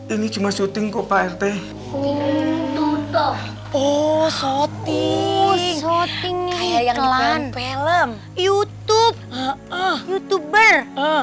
ini cuma syuting kok pak rt oh sopi syuting iklan film youtube youtuber